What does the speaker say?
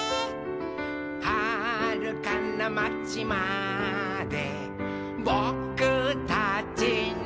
「はるかなまちまでぼくたちの」